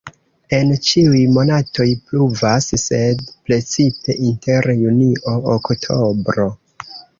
En ĉiuj monatoj pluvas, sed precipe inter junio-oktobro.